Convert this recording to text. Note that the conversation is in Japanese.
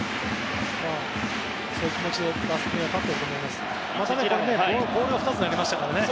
そういう気持ちで打席に立っていると思います。